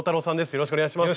よろしくお願いします。